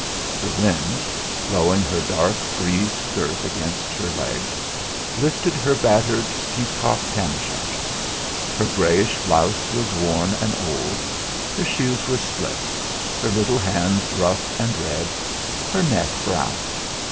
The wind, blowing her dark frieze skirt against her legs, lifted her battered peacock tam o' shanter; her greyish blouse was worn and old, her shoes were split, her little hands rough and red, her neck browned.